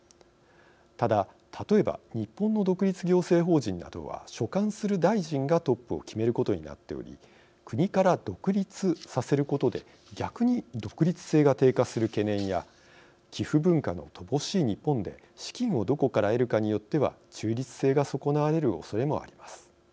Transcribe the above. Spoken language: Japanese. ただ、例えば日本の独立行政法人などは所管する大臣がトップを決めることになっており国から独立させることで逆に独立性が低下する懸念や寄付文化の乏しい日本で資金をどこから得るかによっては中立性が損なわれるおそれもあります。